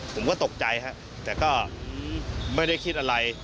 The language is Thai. ผมก็ตกใจครับแต่ก็ไม่ได้คิดอะไร